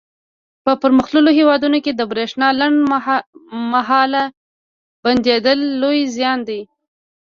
په پرمختللو هېوادونو کې د برېښنا لنډ مهاله بندېدل لوی زیان دی.